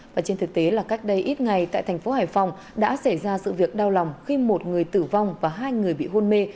và trên thực tế là cách đây ít ngày tại thành phố hải phòng đã xảy ra sự việc đau lòng khi một người tử vong và hai người bị hôn mê